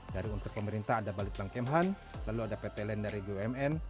dari unsur pemerintah ada balitlang kemhan lalu ada pt lendari bumn